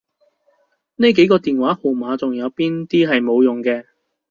呢幾個電話號碼仲有邊啲係冇用嘅？